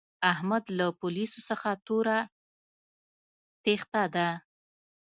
احمد له پوليسو څخه توره تېښته ده.